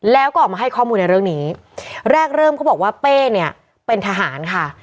แล้วก็ออกมาให้ข้อมูลในเรื่องนี้แรกเริ่มเขาบอกว่าเป้เนี่ยเป็นทหารค่ะ